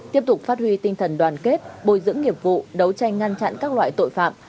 tiếp tục phát huy tinh thần đoàn kết bồi dưỡng nghiệp vụ đấu tranh ngăn chặn các loại tội phạm